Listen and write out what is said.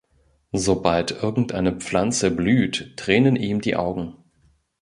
Sobald irgendeine Pflanze blüht, tränen ihm die Augen.